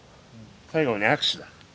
最後に握手だ。